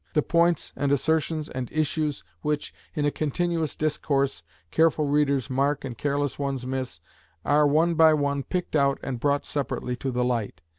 The points and assertions and issues which, in a continuous discourse, careful readers mark and careless ones miss, are one by one picked out and brought separately to the light.